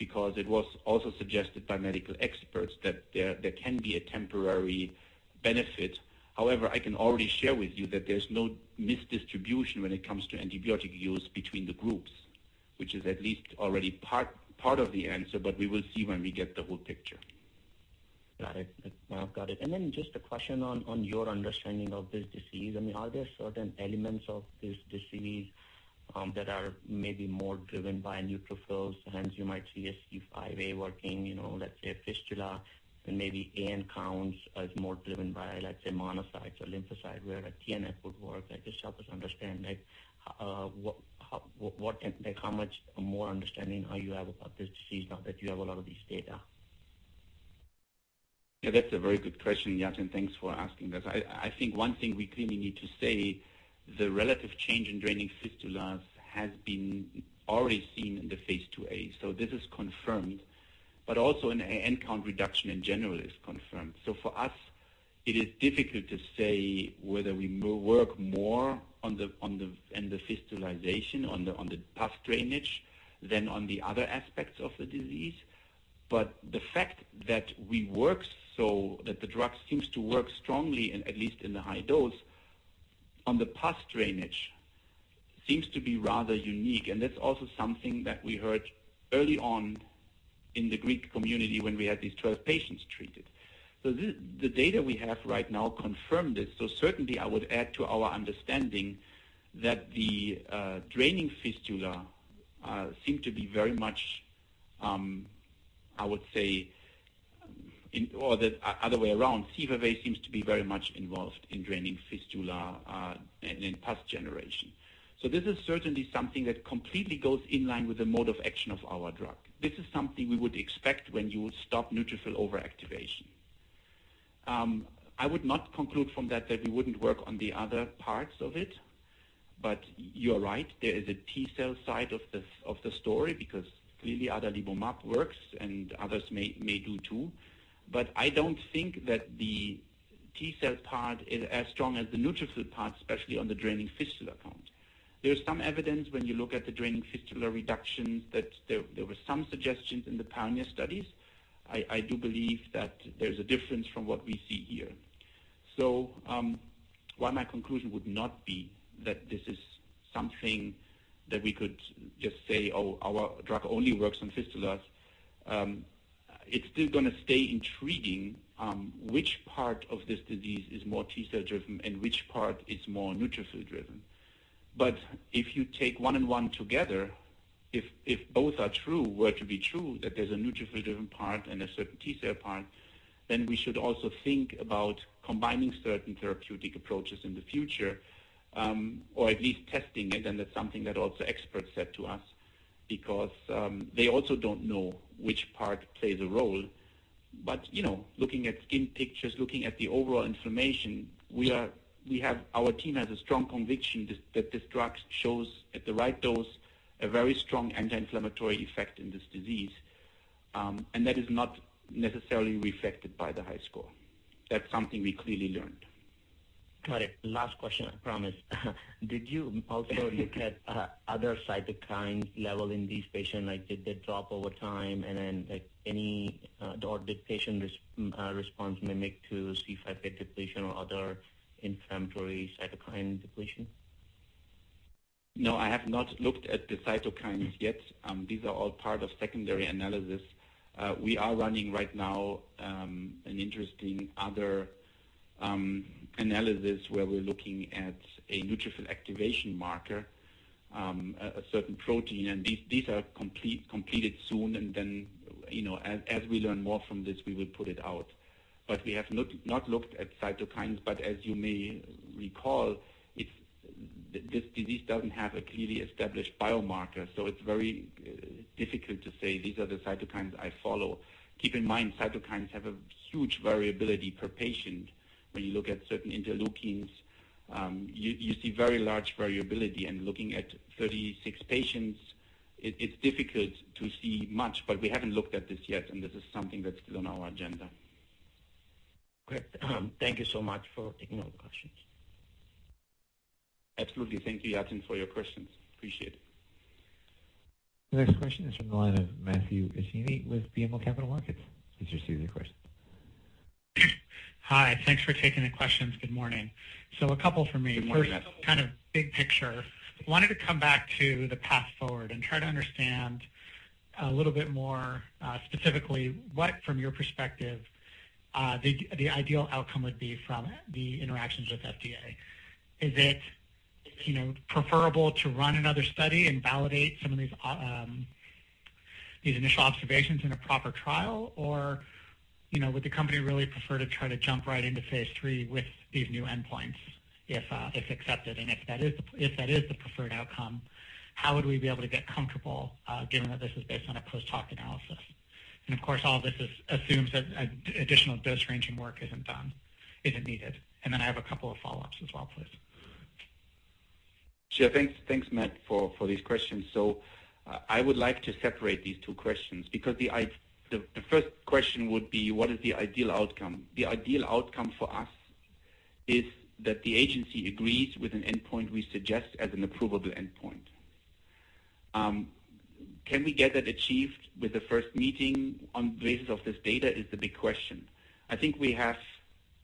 because it was also suggested by medical experts that there can be a temporary benefit. I can already share with you that there's no misdistribution when it comes to antibiotic use between the groups, which is at least already part of the answer, we will see when we get the whole picture. Got it. No, I've got it. Just a question on your understanding of this disease. Are there certain elements of this disease that are maybe more driven by neutrophils, hence you might see a C5a working, let's say, a fistula and maybe AN count as more driven by, let's say, monocytes or lymphocytes where a TNF would work? Just help us understand how much more understanding you have about this disease now that you have a lot of these data. Yeah, that's a very good question, Yatin. Thanks for asking that. I think one thing we clearly need to say, the relative change in draining fistulas has been already seen in the phase II-A. This is confirmed, but also an AN count reduction in general is confirmed. For us, it is difficult to say whether we will work more on the fistulization, on the pus drainage, than on the other aspects of the disease. But the fact that the drug seems to work strongly, at least in the high dose, on the pus drainage seems to be rather unique. That's also something that we heard early on in the Greek community when we had these 12 patients treated. The data we have right now confirmed this. Certainly, I would add to our understanding that the draining fistula seem to be very much, or the other way around, C5a seems to be very much involved in draining fistula and in pus generation. This is certainly something that completely goes in line with the mode of action of our drug. This is something we would expect when you would stop neutrophil overactivation. I would not conclude from that we wouldn't work on the other parts of it. But you're right, there is a T cell side of the story because clearly adalimumab works and others may do too. But I don't think that the T cell part is as strong as the neutrophil part, especially on the draining fistula count. There's some evidence when you look at the draining fistula reductions that there were some suggestions in the PIONEER studies. I do believe that there's a difference from what we see here. While my conclusion would not be that this is something that we could just say, "Oh, our drug only works on fistulas," it's still going to stay intriguing, which part of this disease is more T cell-driven and which part is more neutrophil-driven. If you take one and one together, if both are true, were to be true, that there's a neutrophil-driven part and a certain T cell part, then we should also think about combining certain therapeutic approaches in the future, or at least testing it, that's something that also experts said to us because, they also don't know which part plays a role. Looking at skin pictures, looking at the overall inflammation, our team has a strong conviction that this drug shows, at the right dose, a very strong anti-inflammatory effect in this disease, and that is not necessarily reflected by the high score. That's something we clearly learned. Got it. Last question, I promise. Did you also look at other cytokine level in these patients? Did they drop over time, and then did patient response mimic to C5a depletion or other inflammatory cytokine depletion? I have not looked at the cytokines yet. These are all part of secondary analysis. We are running right now, an interesting other analysis where we're looking at a neutrophil activation marker, a certain protein. These are completed soon and then as we learn more from this, we will put it out. We have not looked at cytokines, but as you may recall, this disease doesn't have a clearly established biomarker, so it's very difficult to say these are the cytokines I follow. Keep in mind, cytokines have a huge variability per patient. When you look at certain interleukins, you see very large variability, and looking at 36 patients, it's difficult to see much. We haven't looked at this yet, and this is something that's still on our agenda. Great. Thank you so much for taking all the questions. Absolutely. Thank you, Yatin, for your questions. Appreciate it. The next question is from the line of Matthew Luchini with BMO Capital Markets. Please proceed with your question. Hi. Thanks for taking the questions. Good morning. A couple from me. Good morning, Matt. First, kind of big picture. Wanted to come back to the path forward and try to understand a little bit more, specifically what, from your perspective, the ideal outcome would be from the interactions with FDA. Is it preferable to run another study and validate some of these initial observations in a proper trial? Would the company really prefer to try to jump right into phase III with these new endpoints if accepted? If that is the preferred outcome, how would we be able to get comfortable, given that this is based on a post-hoc analysis? Of course, all of this assumes that additional dose ranging work isn't needed. I have a couple of follow-ups as well, please. Sure. Thanks Matt for these questions. I would like to separate these two questions because the first question would be, what is the ideal outcome? The ideal outcome for us is that the agency agrees with an endpoint we suggest as an approvable endpoint. Can we get that achieved with the first meeting on the basis of this data is the big question. I think we have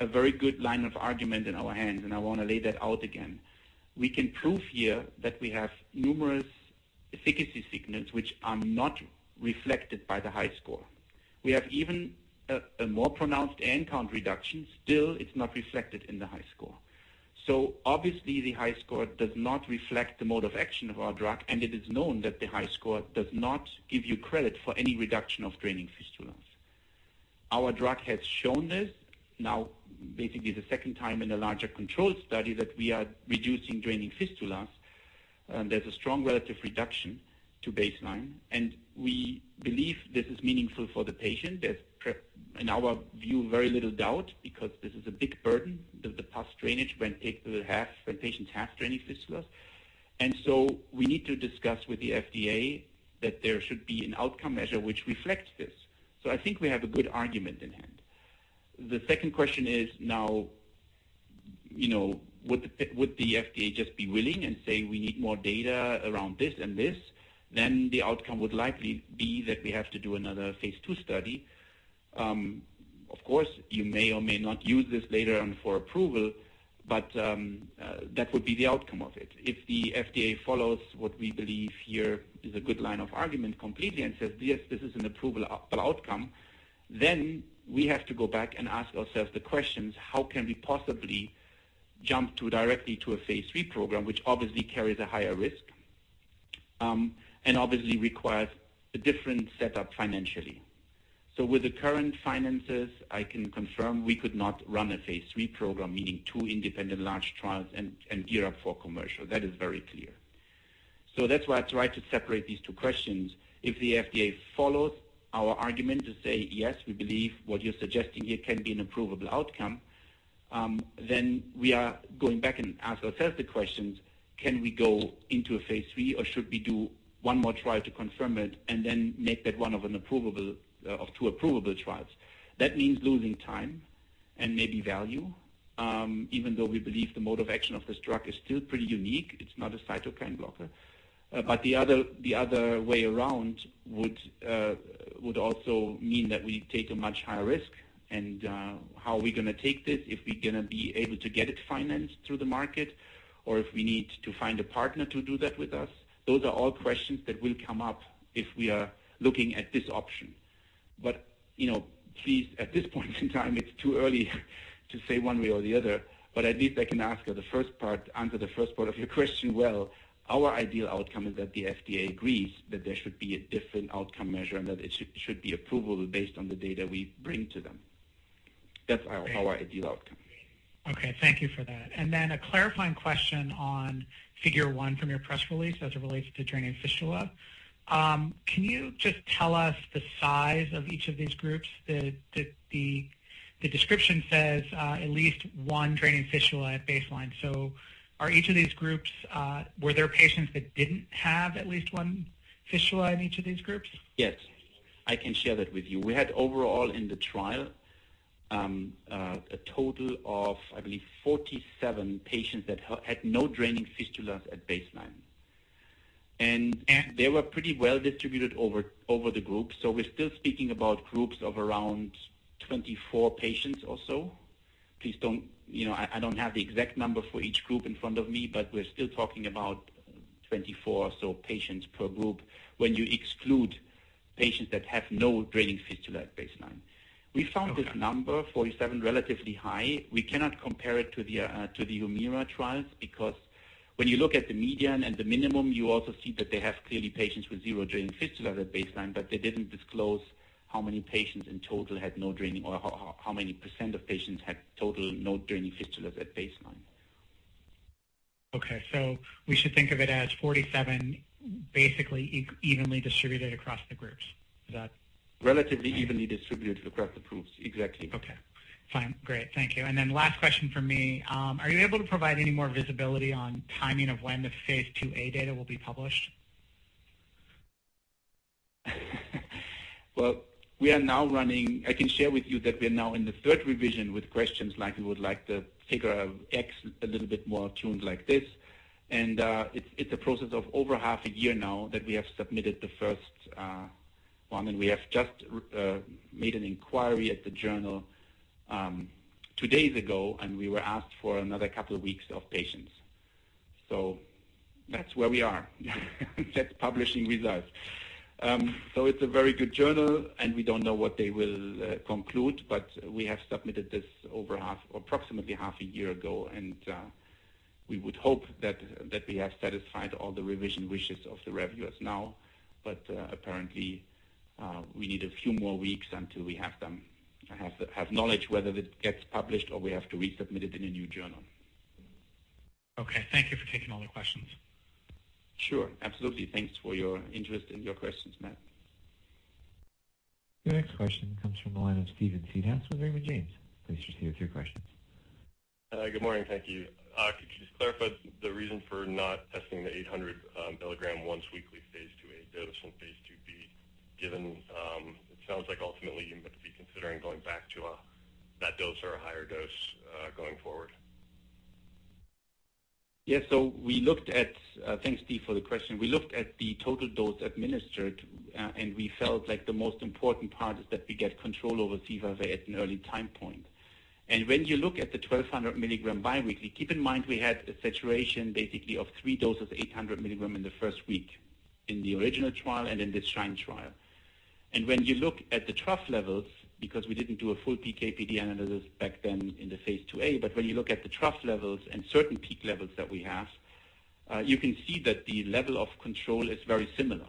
a very good line of argument in our hands, and I want to lay that out again. We can prove here that we have numerous efficacy signals which are not reflected by the HiSCR. We have even a more pronounced AN count reduction. Still, it's not reflected in the HiSCR. Obviously, the HiSCR does not reflect the mode of action of our drug, and it is known that the HiSCR does not give you credit for any reduction of draining fistulas. Our drug has shown this now basically the second time in a larger control study that we are reducing draining fistulas. There's a strong relative reduction to baseline, and we believe this is meaningful for the patient. There's, in our view, very little doubt because this is a big burden, the pus drainage when patients have draining fistulas. We need to discuss with the FDA that there should be an outcome measure which reflects this. I think we have a good argument in hand. The second question is now, would the FDA just be willing and say we need more data around this and this? The outcome would likely be that we have to do another phase II study. Of course, you may or may not use this later on for approval, but that would be the outcome of it. If the FDA follows what we believe here is a good line of argument completely and says, "Yes, this is an approvable outcome," we have to go back and ask ourselves the questions, how can we possibly jump directly to a phase III program, which obviously carries a higher risk and obviously requires a different setup financially. With the current finances, I can confirm we could not run a phase III program, meaning two independent large trials and gear up for commercial. That is very clear. That's why I try to separate these two questions. The FDA follows our argument to say, "Yes, we believe what you're suggesting here can be an approvable outcome," then we are going back and ask ourselves the questions, can we go into a phase III or should we do one more trial to confirm it and then make that one of two approvable trials. That means losing time and maybe value, even though we believe the mode of action of this drug is still pretty unique. It's not a cytokine blocker. The other way around would also mean that we take a much higher risk and how are we going to take this if we're going to be able to get it financed through the market or if we need to find a partner to do that with us. Those are all questions that will come up if we are looking at this option. Please, at this point in time, it's too early to say one way or the other, but at least I can answer the first part of your question well. Our ideal outcome is that the FDA agrees that there should be a different outcome measure, and that it should be approval based on the data we bring to them. That's our ideal outcome. Okay. Thank you for that. A clarifying question on figure one from your press release as it relates to draining fistula. Can you just tell us the size of each of these groups? The description says, at least one draining fistula at baseline. Are each of these groups, were there patients that didn't have at least one fistula in each of these groups? Yes. I can share that with you. We had overall in the trial, a total of, I believe 47 patients that had no draining fistulas at baseline. They were pretty well distributed over the groups. We're still speaking about groups of around 24 patients or so. I don't have the exact number for each group in front of me, but we're still talking about 24 or so patients per group when you exclude patients that have no draining fistula at baseline. Okay. We found this number, 47, relatively high. We cannot compare it to the HUMIRA trials because when you look at the median and the minimum, you also see that they have clearly patients with zero draining fistula at baseline, but they didn't disclose how many patients in total had no draining or how many percent of patients had total no draining fistulas at baseline. Okay, we should think of it as 47, basically evenly distributed across the groups. Is that? Relatively evenly distributed across the groups. Exactly. Okay. Fine. Great. Thank you. Then last question from me. Are you able to provide any more visibility on timing of when the phase II-A data will be published? Well, I can share with you that we're now in the third revision with questions like we would like the figure of X a little bit more tuned like this. It's a process of over half a year now that we have submitted the first one, and we have just made an inquiry at the journal two days ago, and we were asked for another couple of weeks of patience. That's where we are. That's publishing results. It's a very good journal, and we don't know what they will conclude, but we have submitted this approximately half a year ago. We would hope that we have satisfied all the revision wishes of the reviewers now. Apparently, we need a few more weeks until we have knowledge whether it gets published or we have to resubmit it in a new journal. Okay. Thank you for taking all the questions. Sure. Absolutely. Thanks for your interest and your questions, Matt. Your next question comes from the line of Steven Seedhouse with Raymond James. Please proceed with your questions. Good morning. Thank you. Could you just clarify the reason for not testing the 800 milligram once-weekly phase II-A dose from phase II-B, given it sounds like ultimately you might be considering going back to that dose or a higher dose, going forward. Thanks, Steven, for the question. We looked at the total dose administered, we felt like the most important part is that we get control over C5a at an early time point. When you look at the 1,200 milligram biweekly, keep in mind we had a saturation basically of three doses, 800 milligram in the first week in the Original trial and in the SHINE trial. When you look at the trough levels, because we didn't do a full PK/PD analysis back then in the phase II-A, but when you look at the trough levels and certain peak levels that we have, you can see that the level of control is very similar.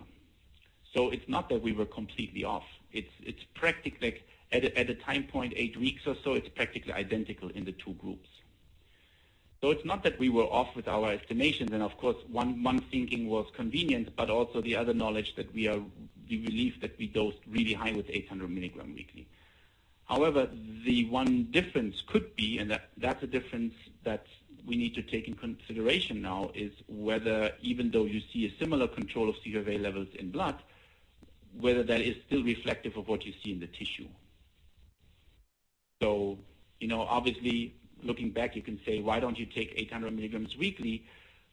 It's not that we were completely off. At the time point, eight weeks or so, it's practically identical in the two groups. It's not that we were off with our estimations, of course one thinking was convenient, but also the other knowledge that we believe that we dosed really high with 800 milligram weekly. However, the one difference could be, and that's a difference that we need to take in consideration now, is whether even though you see a similar control of C5a levels in blood, whether that is still reflective of what you see in the tissue. Obviously looking back, you can say, "Why don't you take 800 milligrams weekly?"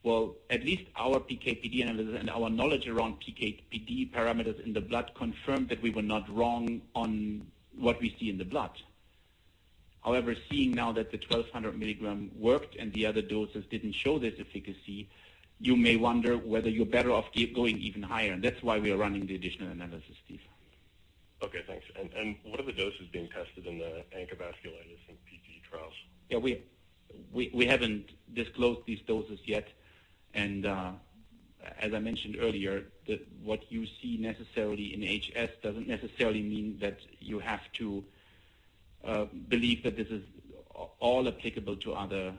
Well, at least our PK/PD analysis and our knowledge around PK/PD parameters in the blood confirmed that we were not wrong on what we see in the blood. However, seeing now that the 1,200 milligram worked and the other doses didn't show this efficacy, you may wonder whether you're better off going even higher, and that's why we are running the additional analysis, Steven. Okay, thanks. What are the doses being tested in the ankylosing spondylitis and PG trials? We haven't disclosed these doses yet, as I mentioned earlier, what you see necessarily in HS doesn't necessarily mean that you have to believe that this is all applicable to other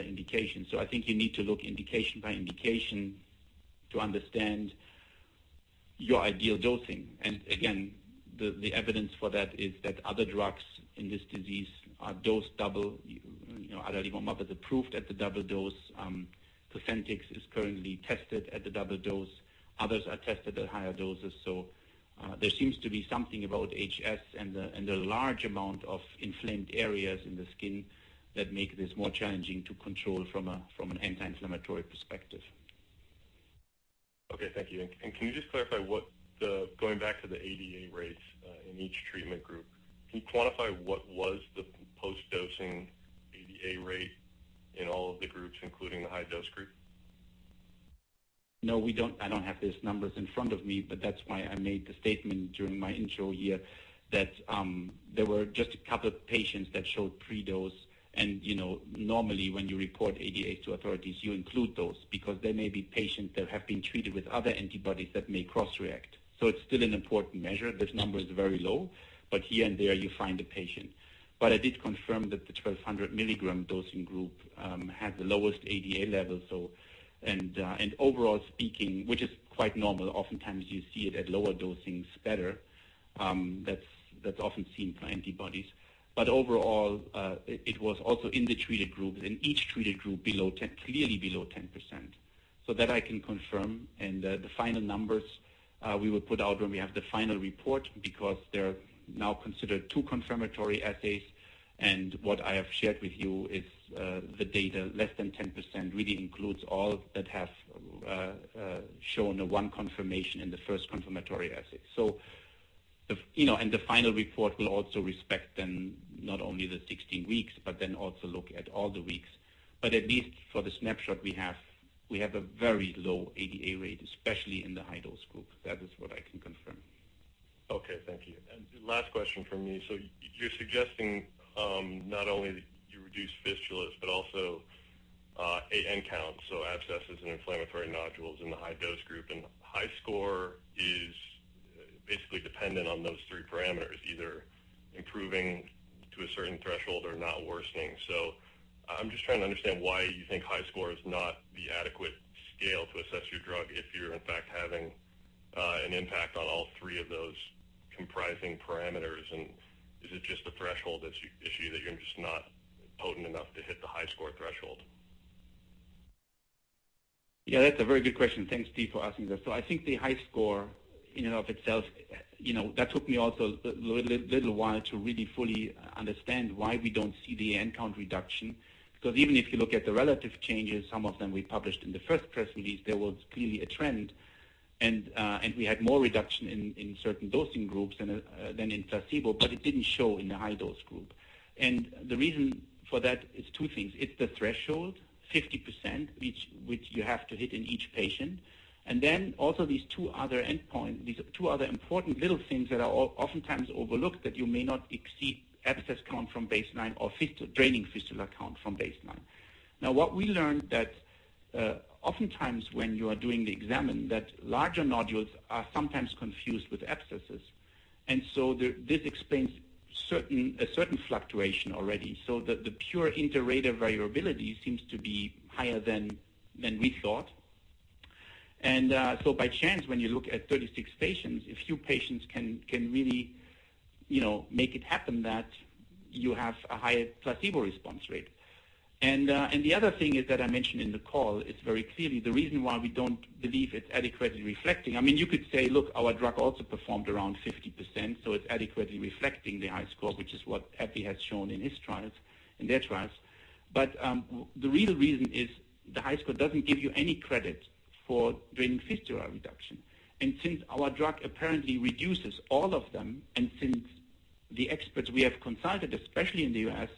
indications. I think you need to look indication by indication to understand your ideal dosing. Again, the evidence for that is that other drugs in this disease are dose double. Adalimumab is approved at the double dose. Cosentyx is currently tested at the double dose. Others are tested at higher doses. There seems to be something about HS and the large amount of inflamed areas in the skin that make this more challenging to control from an anti-inflammatory perspective. Okay, thank you. Can you just clarify, going back to the ADA rates, in each treatment group, can you quantify what was the post-dosing ADA rate in all of the groups, including the high dose group? No, I don't have these numbers in front of me, that's why I made the statement during my intro here that there were just a couple of patients that showed pre-dose. Normally when you report ADA to authorities, you include those because there may be patients that have been treated with other antibodies that may cross-react. It's still an important measure. This number is very low, but here and there you find a patient. I did confirm that the 1,200 milligram dosing group had the lowest ADA level. Overall speaking, which is quite normal, oftentimes you see it at lower dosings better. That's often seen for antibodies. Overall, it was also in the treated groups, in each treated group, clearly below 10%. That I can confirm, the final numbers we will put out when we have the final report because they're now considered two confirmatory assays. What I have shared with you is the data less than 10% really includes all that have shown one confirmation in the first confirmatory assay. The final report will also respect not only the 16 weeks, but also look at all the weeks. At least for the snapshot we have, we have a very low ADA rate, especially in the high-dose group. That is what I can confirm. Okay. Thank you. Last question from me. You're suggesting, not only that you reduce fistulas, but also AN counts, so abscesses and inflammatory nodules in the high-dose group. HiSCR is basically dependent on those three parameters, either improving to a certain threshold or not worsening. I'm just trying to understand why you think HiSCR is not the adequate scale to assess your drug if you're in fact having an impact on all three of those comprising parameters. Is it just a threshold issue that you're just not potent enough to hit the HiSCR threshold? Yeah, that's a very good question. Thanks, Steven, for asking that. I think the HiSCR in and of itself, that took me also a little while to really fully understand why we don't see the AN count reduction, because even if you look at the relative changes, some of them we published in the first press release, there was clearly a trend, we had more reduction in certain dosing groups than in placebo, but it didn't show in the high-dose group. The reason for that is two things. It's the threshold, 50%, which you have to hit in each patient. Then also these two other important little things that are oftentimes overlooked that you may not exceed abscess count from baseline or draining fistula count from baseline. Now what we learned that oftentimes when you are doing the examine, that larger nodules are sometimes confused with abscesses, this explains a certain fluctuation already. The pure inter-rater variability seems to be higher than we thought. By chance, when you look at 36 patients, a few patients can really make it happen that you have a higher placebo response rate. The other thing is that I mentioned in the call, it's very clearly the reason why we don't believe it's adequately reflecting. I mean you could say, look, our drug also performed around 50%, so it's adequately reflecting the HiSCR, which is what AbbVie has shown in their trials. The real reason is the HiSCR doesn't give you any credit for draining fistula reduction. Since our drug apparently reduces all of them, since the experts we have consulted, especially in the U.S.,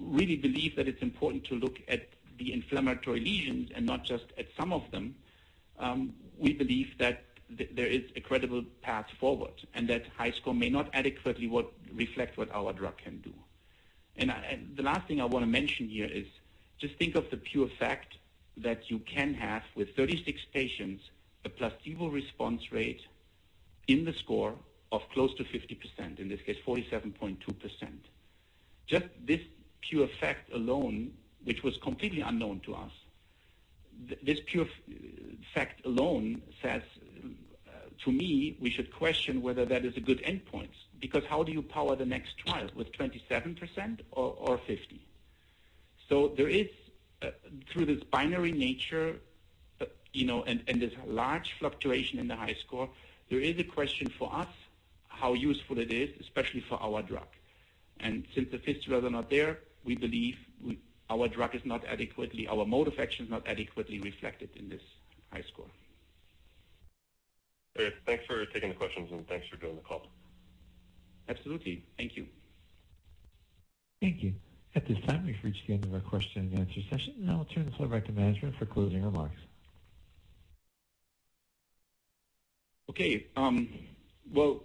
really believe that it's important to look at the inflammatory lesions and not just at some of them, we believe that there is a credible path forward and that HiSCR may not adequately reflect what our drug can do. The last thing I want to mention here is just think of the pure fact that you can have, with 36 patients, a placebo response rate in the score of close to 50%, in this case, 47.2%. This pure fact alone, which was completely unknown to us, this pure fact alone says to me we should question whether that is a good endpoint, because how do you power the next trial with 27% or 50? There is, through this binary nature, this large fluctuation in the HiSCR, there is a question for us how useful it is, especially for our drug. Since the fistulas are not there, we believe our mode of action is not adequately reflected in this HiSCR. Thanks for taking the questions and thanks for doing the call. Absolutely. Thank you. Thank you. At this time, we've reached the end of our question-and-answer session. I'll turn the floor back to management for closing remarks. Okay. Well,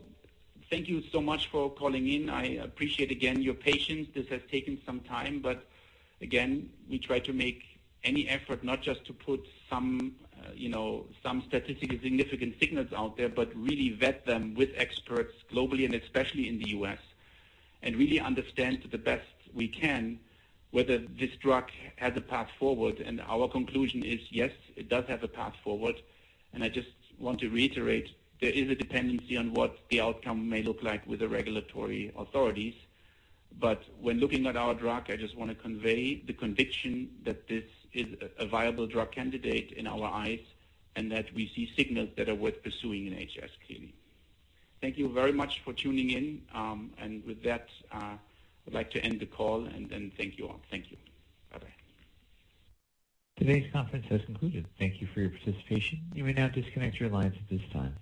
thank you so much for calling in. I appreciate, again, your patience. This has taken some time, but again, we try to make any effort, not just to put some statistically significant signals out there, but really vet them with experts globally and especially in the U.S. Really understand to the best we can whether this drug has a path forward. Our conclusion is, yes, it does have a path forward. I just want to reiterate, there is a dependency on what the outcome may look like with the regulatory authorities. When looking at our drug, I just want to convey the conviction that this is a viable drug candidate in our eyes and that we see signals that are worth pursuing in HS, clearly. Thank you very much for tuning in. With that, I'd like to end the call and thank you all. Thank you. Bye-bye. Today's conference has concluded. Thank you for your participation. You may now disconnect your lines at this time.